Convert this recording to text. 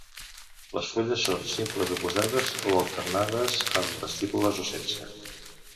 Les fulles són simples oposades o alternades amb estípules o sense.